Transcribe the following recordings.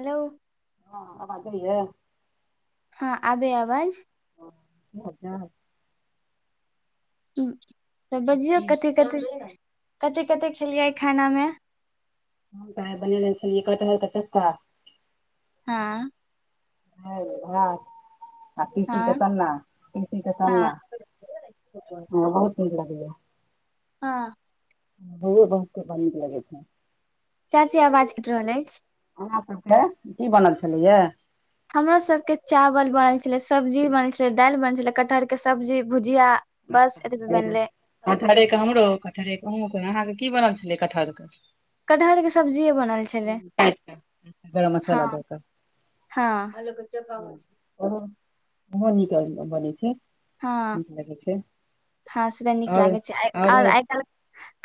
Hello हँ आगिये [unintelligible] हँ आबे अवाज ह [unintelligible] तऽ बजियौ कते कते कते कते खेलियै आई खानामे हँ त बनेल छल कट हल तऽ च्का [unintelligible] हँ हँ हँ [unintelligible] आ तीसी के हँ सन्ना तीसी के सन्ना हँ ह बहुत निक लागैए हँ ओ बहुत कड़ नीक लगे छै [unintelligible] चाची आवाज कैट रहल अछि अहाँ सबके की बनल छलैया हमरो सबके चावल बनल छलै सब्जी बनल छलै दालि बनल छलै कटहरके सब्जी भुजिया बस एतबे बनलै कटहरेके हमरो कटहरेके अहाँके की बनल छलै कटहर के कटहरके सब्जी बनल छलै। काटि कऽ गरम हँ मसाला दऽ कऽ हँ [unintelligible] ओहिमे नीक बनैत छै, हँ नीक लागै छै। हँ, से तऽ नीक आओर लागैत छै, आ आओरो आइ काल्हि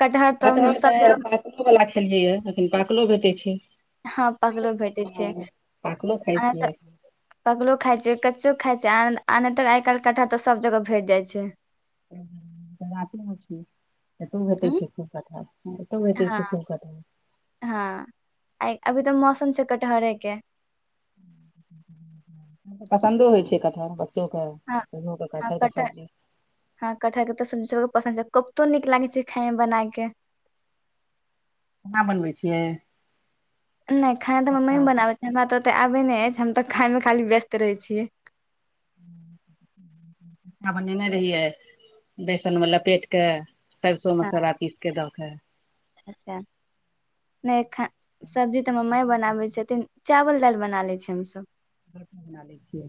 कटहर तऽ सभ जगह। पलोवला खेलियै, एखन पकोवला भेटै छै। हँ, पकलो भेटै छै, हँ पाकलो खाइ आ नहि तऽ। छियै पकलो खाइ छै, कच्चो खाइ छै, आओर तऽ आइ काल्हि कटहर तऽ सभ जगह भेटि जाइत छै। बातेमे छी तऽ भेटै उं छै खूब कथा। हँ तऽ, देख, खूब कथा। हँ, आइ अभी तऽ कटहरके मौसम छै। पसन्दो होइ छै, कथा बढ़। हँ हँ कटहरके कटहर सब्जी। हँ, कटहरके तऽ सब्जियो पसन्द छै, कोपतो नीक लागै छै खाइमे, बनाबैके। अहाँ बनबैत छियै? नहि, खाना तऽ मम्मी कोफ्ता बनबैत छै, हमरा तऽ ओते अबैत नहि अछि, हम तऽ खाइमे खाली व्यस्त रहै छियै। बनेने रहियै बेसनमे लपेटि कऽ। सरिसो हँ मसाला पीसि कऽ दऽके। अच्छा, नहि, सब्जी तऽ मम्मी बहुत नीक होइ बनबैत छै छथिन। चाउर दालि बना लै छियै हमसभ। रोटी बना लै छियै,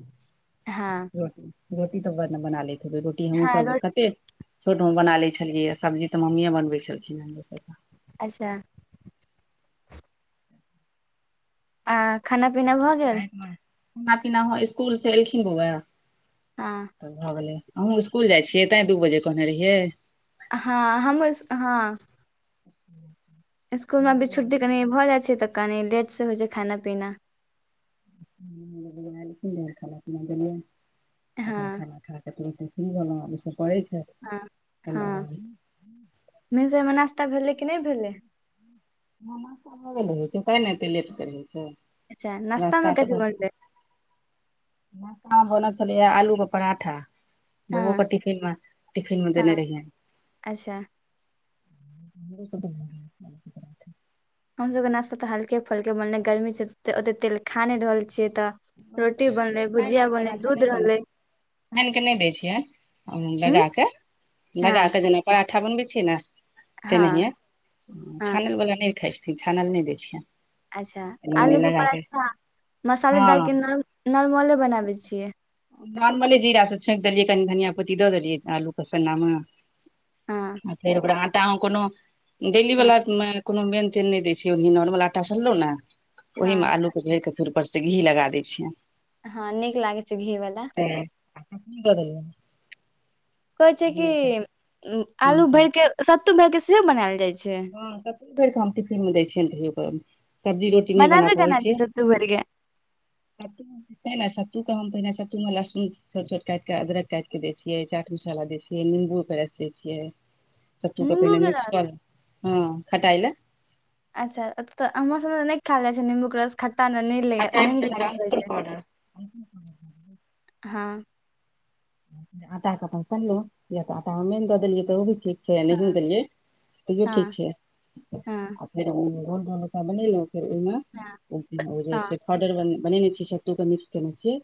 हँ रोटी रोटी तऽ बना ले छियै। रोटी बना लै छियै, रोटी रोटी हँ तऽ रो बना ले छियै। छोटो बना ले छलियै, सब्जी तऽ मम्मीए बनबैत छलखिन हँ। अच्छा आ खाना पीना भऽ गेल। सबके राति मे खाना पीना हँ, इसकुलसँ एलखिन, बौआ, हँ तऽ भऽ गेलै। अहाँ स्कूल जाइ छियै, तैँ दू बजे कहने रहियै। हँ, हमहूँ इस हँ। स्कूलमे हँ अभी बौआ छुट्टी कनि भऽ जाइ छै तऽ कनि लेट से होइ छै खाना पीना। नहि, खाना पीना गेलियै हँ अपन खाना खा कऽ। की भेल, ई सभ पढ़ै छै। हँ हँ, भिनसरमे नाश्ता भेलै कि नहि भेलै? नाश्ता नहि भेलै एऽ हऽ, तब ने एते लेट कर रहै छै। अच्छा नाश्ता रस्ता मे त कथी बनलै नास्ता बनै छलैए, आलूके पराठा हँ बौआके टिफिनमे, टिफिनमे देने हँ रहियै। अच्छा [inaudible] पराठा हमसभके नाश्ता तऽ हल्के फुल्के बनले, गर्मी छै, ओते तेल खा नहि रहल छियै तऽ। बापे रोटी से बनले, भुजिया बनले, दूध रहलै। आनि कऽ नहि दै छियै, उं लगाके हँ लगाकऽ जेना। पराठा बनबैत छियै ने, तेना हँ हिये हँ छानलवला नहि खाइ छी। से खाना नहि दै, देख छियै। अच्छा, आलूके पराठा हँ मसालेदारके नॉर्मल बनबैत छियै। नॉर्मले जीरासँ छौंक देलियै, कनि धनिया पत्ती दऽ देलियै आलूके सन्नामे। हँ आर फेर आटामे कोनो। हँ डेलीवला मे कोनो मेनटेन नहि दै छै, ओ नॉर्मल आटा सनले ने, ओहिमे हँ आलू। भरि कऽ, फेर उपरसँ घी लगा दै छियै। हँ, नीक लागै छै, घीवला। त करल कहै छै कि आम आलू के भरि कऽ, सत्तू भरि कऽ सेहो बनायल जाइत छै। हँ, कतेक बेर कामती फिल्म दै छै। सब्जी रोटी नह बना बनाबे प होइ केना छै सत्तू भरि के ने सत्तू के हम पहिने स्तू लहसन छोटोट काटिकऽ अदरक काटिक के दै छियै चाट मसाला द छिय निम्बू के रसै छियै सत्तूके निम्बू पहिने के मिक्स रस कऽ ले हँ खटाइ ल अच्छा तऽ हमहर सबमे त नै खायल जाइ छै निम्बू के रस खट्टा ने न खटाइ मे कनिटा लागैत रहै अमचूर छै पाउडर हँ आटा तनलहु य तऽ आटा मेन दऽ देलियै तऽ ओ भी छै छैनी हँ शकरे तो ठीक हँ छै हँ फेर गोल डोलका बनेलहुँ फेर हँ ओहिमे हो जाइ हँ छै [unintelligible] ऑर्डर बनेने छियै सत्तू के मिक्स केने छियै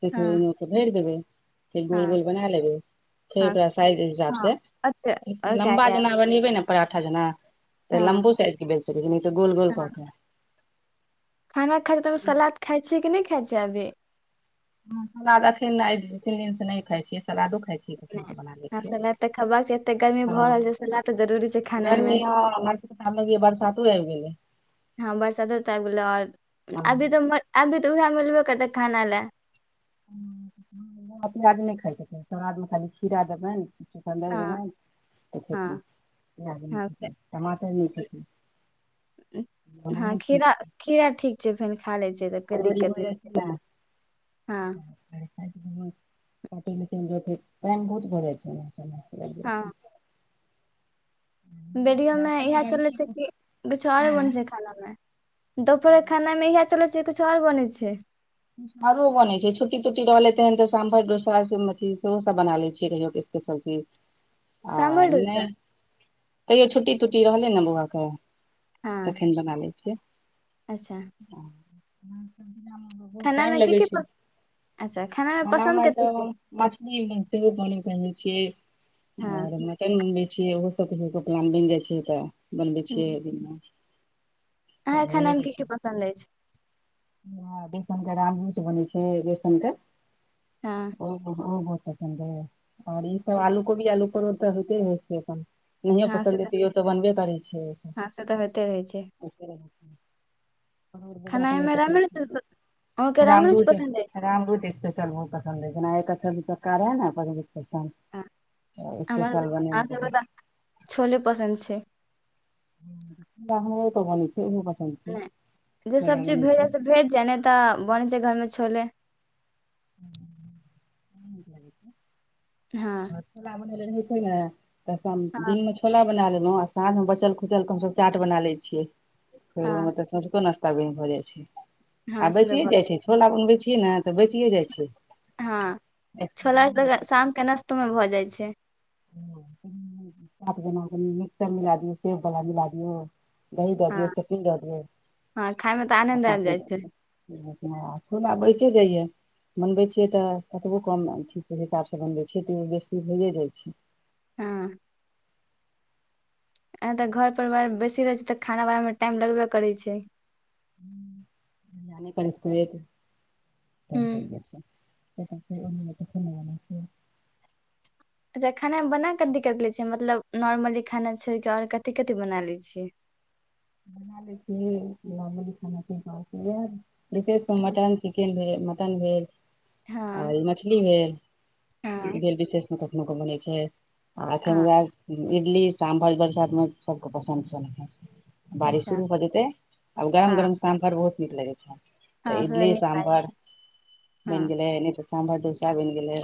त हँ फर भइर देबै फेर गोल हँ गोल बना लेबै फेर हँ ओकरा साइज हिसाब हँ से ओते ओते लम्बा गायब जेना बनेबै न पराठा जेना हँ तऽ लम्बो साइज के बेचतैऽ गोल गोल हँ कऽ के खाना खाइ त सलाद खाइ छियै कि नहि खाइिय अभी सलाद अखन तीन दिन से नहि खायइिय सलादो खाइ छी हं नहि। हँ सलाद तऽ खेबाक छै एते गर्मी भऽ रहल छै सलाद तऽ जरूरी छै खानाइ मे स ए बार सातो आबि गेलै हँ बरसातो तऽ आबि गेलो ओर अभी तऽ अभी तऽ उएह मिलबे करतै खाना लए पियाज नहि खा छथि सरादमे खाली खीरा देबै ने कि हँ नहि खे हँ प्याज हँ खे टमाटर खे ओना भी ठ कीया ठीक छै फेर खा लै छै तऽ कोई दिक्कत भऽ नहि हँ म बहुत भऽ जाइ हँ बेडियो में अपने इहे चले गर्मी छै कि किछु आरे बन हँ छै दोपहर खाना मे इह चले छै किछु आओर बनै छै आरो बनै छै छुट्टी तुट्टी रहलेै हन तऽ साम्रोसा सेहो सब बना ले छ रहियो स्पेशल चीज आ साम्भर नै डोसा तैयो छुट्टी तुट्टी रहलै ने बौआके हँ तखन बना लै छियै अच्छा हं बहुत टाइम खानामे की लगै की छै प... अच्छा खानामे पसन्द कथी तऽ छै मछली पने भग छ आ हँ बनबै छियै ओहो सब कप मे बइन जाइ छै तऽ बनबै छियै ओ दिनमे अहाँ हं खानामे की की पसन्द अछि राम रूबनै छै र के हँ बत पन्द ओर ई सब आलू कोबी आलू परोत होते है से अपन नहिये हँ से पसन्द हयतै ओ तऽ बनबे करै छै हँ से तऽ होइते रहै छै खनाइमेरा मिलत रामरू राम रूज स्पेशल बहुत पसन्द ह जे एक चक रहै ने हमर स्पेशल बनेने हम रही सब छोले पसन्द छै कब न [unintelligible] नहि जे सब चीज भेट जा से भेट जाय नहि तऽ बनै छै घरमे छोले क लै छै हँ रामनलनि होइ ने त हँ दिनमे छोला बना लेलउ आ साँझ मे बचल खुचल के हम सब चाट बना ले छियै हँ फेरो तब सझको न तबे हो जाइ छै आ हँ से तऽ बचिये भऽ जाइ जाय छै छोला बनबै छियै ने तबचिये जाइ छै हँ चाट छोला तऽ शामके नशतोमे भऽ जाइ छै मिक्र मिकचर दियऔ सेबवला मिल दियऔ दही दए हँ दियऔ चटनी दए दियऔ हँ खायमे तऽ आ आनन्द आबि पापड़ी जाइ छै द दियौ छोला बइचे जाइयै बनबै छियै तऽ कतबो कम चीज के हिसाबसँ बनबै छियै तऽ बेसी होइए जाइ छै हँ एना तऽ घर परिवार बेसी रहै छै तऽ खाना बनामे टाइम लगबे करै छै नान स्कूल छै हूँ [unintelligible] ओनामे त घुमना से [unintelligible] अच्छा खाना मे बना क दिक्कत लै छियै मतलब नॉर्मली खाना छोड़िक आओर कथि कथि बना लै छियै बना ले ली खाना कह मटन [unintelligible] [unintelligible] चिकन भेल मटन भेल हँ आओर मछली भेल ई हँ भेल विशेषमे कखनो क बनै छै आ एखन हँ उएह इडली सामभर बरसातमे सबके पसन्द छेन बारिश अच्छा शुरू भऽ जेतै आब गरम हँ गरम सामभर बहुत नीक लगैत छै तऽ हँ इडली नीक लागै सामभर बन हँ गेल‌ए साम्भर ठोसा बन‌ए गेलै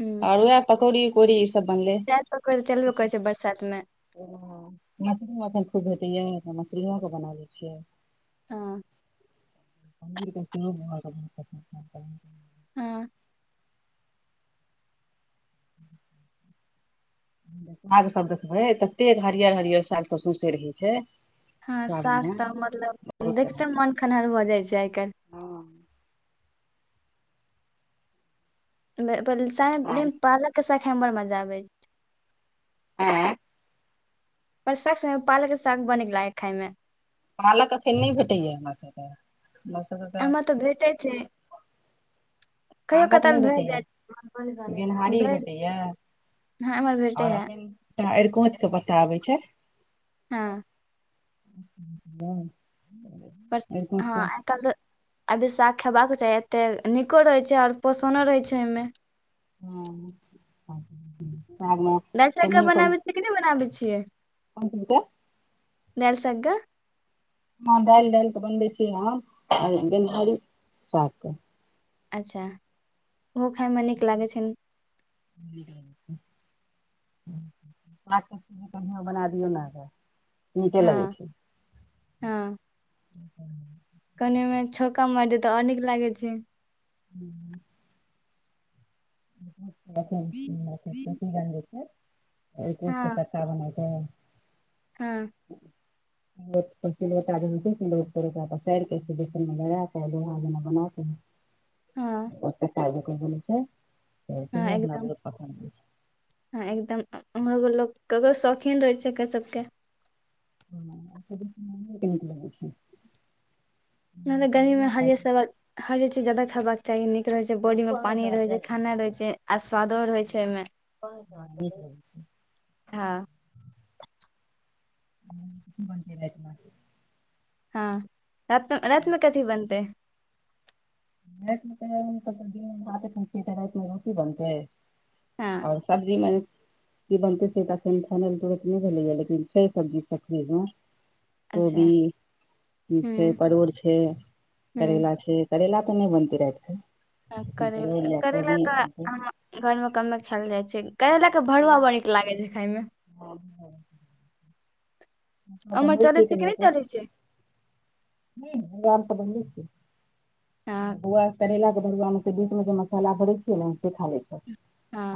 हूँ आर वएह पकौड़ी उकौड़ी बनले जाय पकड़ चलबे करै छै बरसात मे माछ मटन खूब भटयै [unintelligible] [unintelligible] बिना मासले आके बनाबै छियै [unintelligible] [unintelligible] हँ पनरकै क [unintelligible] [unintelligible] हँ [inaudible] [inaudible] साग सब देखबै ततेक हरियर हरियर साग त सुसे रहैछै हँ साग तऽ मतलब बहुत तरह देखते के मोन खनहर भऽ जाइ छै आइ काल्हि हँ लेकिन साग पालक के साग में बड़ मजा आबे छै [unintelligible] हँ [unintelligible] पर सक से पालक के साग बरनीक लागै आइ खाय मे पालक अखन न भेटैै हमरा सब ओत हमरा सब एमे तऽ भेटे छै कहियो पालक कतौ नहि भेट जा भेटैया गेनहारी छै [unintelligible] भेटैया हँ एमर भेटे हैं त आरकोच के पता आबै छै हँ हँ [unintelligible] पर हँ के आइकल तऽ अभी साग खेबाक चाही एतेक नीको रहै छै आओर पोषणो रहै छै ओहिमे हँ [unintelligible] [unintelligible] दालसगगा केनाहियो कऽ बनाबै छियै कि नहि बनाबै छियै कोन चीज के दालिसगगा हँ दालि डाल केऽ बनबै छीयै गनाहरी साग क अच्छा ओहो खायमे नीक लागै छ नीक लगैए छै [unintelligible] को बना दियौ नेऽ [unintelligible] [unintelligible] नीके लगै हँ छै कनि मे छौका मारि दियै तऽ आओर नीक लागै छै हूँ चक्का बना हँ [unintelligible] हँ ह्म [unintelligible] ो पैर लगाेै दोहना बनाे है [unintelligible] ओ हँ तब ब छै हमरा क [unintelligible] ह एकदम उमहरो के लोग ककरो शौकीन रहे छै एकर सबके ह [unintelligible] नहि गरीमे हलिय सवक हरी चीज जादा खाबा के चाही नीक रहे छै बॉडी में पानी रहे छै खाना रहै छै आ स्वादो रहइ छै ओहिमे लगै छै हँ ह बनते रात मा [unintelligible] हँ रात रातमे कथी बनतै द र रात में रोटी बनतै [unintelligible] हँ और सब्जी मे की बनतै से तो छै सेमीफा [unintelligible] इनल तो नहि भेलैय लेकिन छै सब्जी सकरीमे अच्छा कोबी हूँ छै परोड़ छै हूँ करैला छै करैला तऽ नहि बनतै राइत के कर करैला त घर में कमे खायल जाय छै करैला के भरुआ करेला बड़ी नीक लागे छै खायमे हँ त उम्हर बनबै छी चलै छै कि कहियो नहि क चलै छै भवान तऽ हँ बनेआ करैला के बगान [unintelligible] बीट मे जे मसाला भरै छ ने खा छै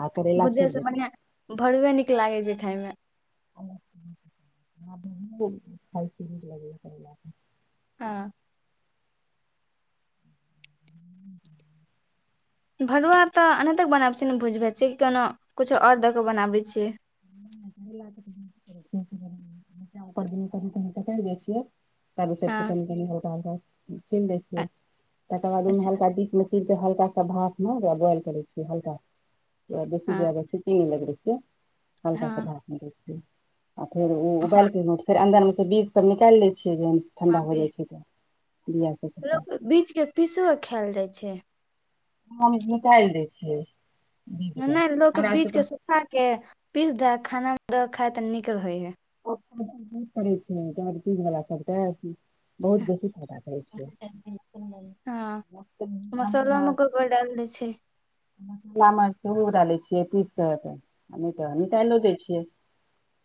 आ करैला छोड़ द भरुवे नीक लागै छै खायमे ल [unintelligible] हँ भरुआ तऽ अनाहितेक बनाबै छी ने भूजि भ छियै कि कोनो किछो ओर दऽ कऽ बनाबै छियै कर द कर त क बेठिय [unintelligible] तब त हँ कैनी हल्का हलका छीन दै छियै अ- तकर बाद ओहि अच्छा हल्का बीच मे र हल्का सा भात मे बोइल करे छियै हल्का बेसी हँ सिटिंग लगबे रहे छिये हल्का से हँ भात निक आ फेर उबाल हँ के फेर अन्दरमे त बिज सब निकालि लै छियै जेहन हँ ठण्डा भ जाइ बी- छै तऽ बआ लोक बीज के पीसो खायल जाइ छै हम निकाईल दैय छियै बीजके नहि लोक हमरा बीज के सभके सुखा के पीस दे खाना मे द खाय त नीक रहे है क [unintelligible] कर छै डाइबितिज़ वला सब त बहुत बेसी फराब रहै छै बडल दै छै मसा उडाले छियै पीस तऽ निकलो दै छियै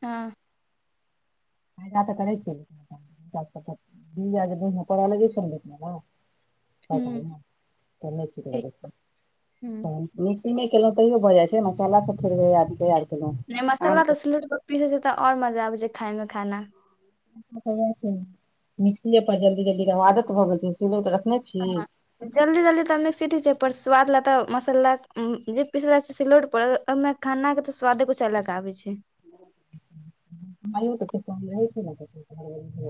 हँ फायदा तऽ करै छ करऽ लगै छै ने हूँ से नै ठीक लागे हूँ छै मिटिंगे केलहुँ तैयो भऽ जाइ छै ने [unintelligible] काला सब फेर केलहुँ नहि आम मसाला तऽ के सिलौट पर पीसे छै तऽ और मजा आबैत छै खाय में खाना मिक्सीए पर जल्दी जल्दी आदत भऽ गेल छै सिलौट रखने छी हँ जल्दी जल्दी तऽ मिक्सिटी छै पर स्वाद लए तऽ मसाला जे पिसल छै सिलोड पड़ ओहिमे खाना के तऽ स्वादे कुछ अलग आबैछै हो तऽ कह ल छै ने त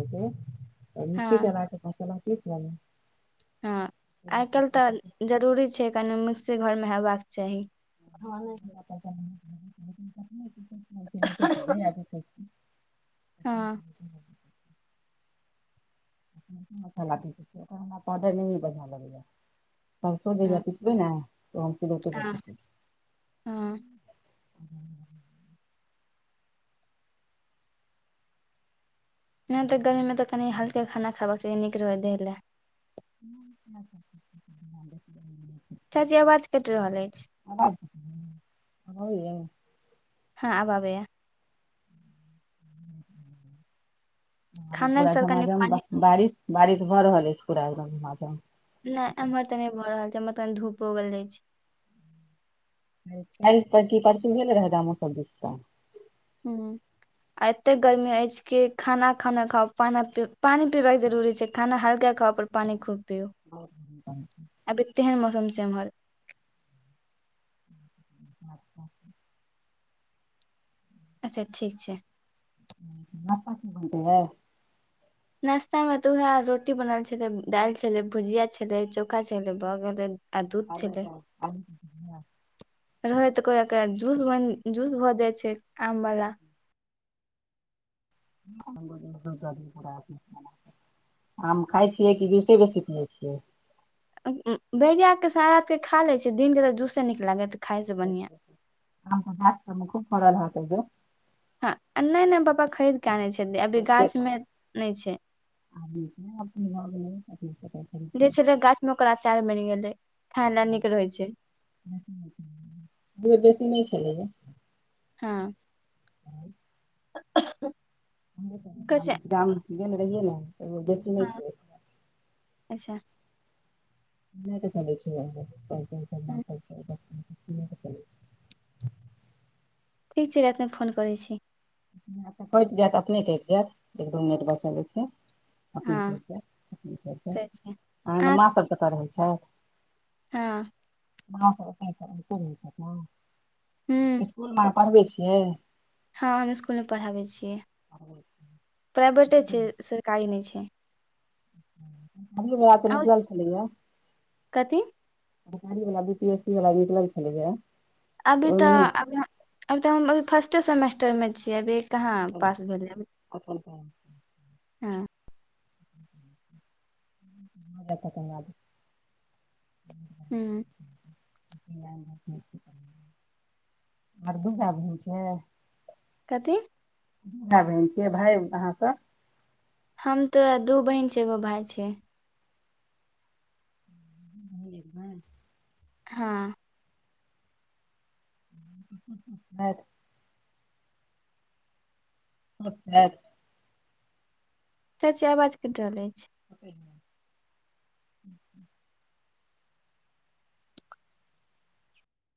घ त हँ मिक्सी चलाक मसाला पिसब हँ आइ काल्ह तऽ जरूरी छै कनि मिक्सी घरमे हेबाक चाही हँ नहि य छै [unintelligible] हँ [inaudible] ल पमे भ बढ़िआ लग जाय [unintelligible] सरसो जे हँ हम पिसबै ने तऽ हम सिलौटे पर हँ पिस लै छी हँ [inaudible] [inaudible] नहि तऽ गर्मीमे तऽ कनि हल्का खाना खेबाक चाही नीक रहै देह लए [inaudible] [inaudible] चाची आवाज कटि रहल अछि हि अबे य [unintelligible] हँ आब आबैया [inaudible] [inaudible] खाना के पूरा साथ कनि झमाझम पानी बारिश बारिश भऽ रहल अछि पूरा झमाझम नहि एम्हर तऽ नहि भऽ रहल छै एम्हर तनी धूपो उगेल जाय छै काल की परसु तरसु भे [unintelligible] ल रहै दाम ओ सब द [unintelligible] ह्म [unintelligible] आ एतेक गर्मी अछि कि खाना खाना खाउ पानी पीबाक जरूरी छै खाना हल्का खाउ पर पानि खूब पीउ ह [unintelligible] [unintelligible] अभी तेहन मौसम छै एम्हर [inaudible] [inaudible] अच्छा ठीक छै न पा क ब [unintelligible] [unintelligible] नाश्ता मे तऽ उएह रोटी बनल छलै दालि छलै भुजिया छलै चोखा छलै भऽ गेलै आ दुध आलू छलै के आलू के भुजिया रहै त को जूस जूस भऽ दय छै आम वला [unintelligible] हम बी प [unintelligible] [unintelligible] आम खाय छियै कि जूसे बेसी पिबयै [unintelligible] छियै [unintelligible] बैरिया के सा रात के खा ले छ दिन के तऽ जूसे नीक लागे खाय से बढ़िया हम तऽ जासमे खूब फड़ल होतै जे [unintelligible] हँ नहि नहि पापा खरीद कऽ आनै छै अभी गाछमे नहि छै आ [unintelligible] [unintelligible] जे छले गाछ मे ओकर अचार बनि गेलै खायले नीक रहै छै बेसी नहि खेलैय [unintelligible] [unintelligible] हँ [unintelligible] [unintelligible] कसे हमर गाममे गेने रहियै ने एगो बेसी नहि हँ छै [unintelligible] अच्छा नहि तऽ चलै छै ह कह [unintelligible] [unintelligible] ठीक छै रातिमे फोन करै छी ऽ कटि जायत अपने कटि जायत एक दू मिनट बचल जे छै हँ अपने से छै अहाँके आ माँसभ कतऽ रहै छथि हँ गाँव ह इसकुलमे आ पढ़बै छै [unintelligible] हँ हम इसकुलमे पढ़ाबैत छियै प्राइवेटे छै सरकारी नहि छियै आ निकलल छलीयै कथी सरकारी वला बी पी एस सी वला निकलल छलैए अभी ओहिमे तऽ नहि अभी अभ तऽ हम अभी फर्स्टे सेमेस्टरमे छीयै अभी कहाँ पास भेलै अभी कतल क [unintelligible] हँ त [unintelligible] हू [inaudible] आर दू भय बहिन छै कथी बहिन छिय भाय अहाँसँ [unintelligible] हम तऽ दू बहिन छि एगो भाय छै ह [unintelligible] [unintelligible] हँ [unintelligible] [unintelligible] अचछ [unintelligible] [unintelligible] चची आवाज क टल अछि [unintelligible] [inaudible]